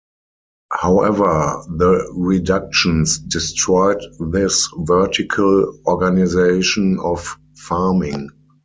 However, the reductions destroyed this 'vertical' organization of farming.